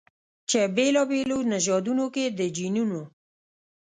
چې بېلابېلو نژادونو کې د جینونو